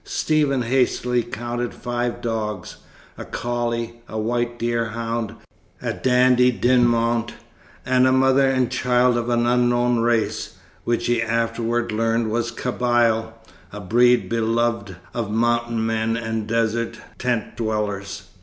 Stephen hastily counted five dogs; a collie, a white deerhound, a Dandy Dinmont, and a mother and child of unknown race, which he afterwards learned was Kabyle, a breed beloved of mountain men and desert tent dwellers.